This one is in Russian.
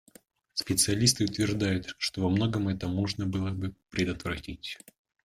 Специалисты утверждают, что во многом это можно было бы предотвратить.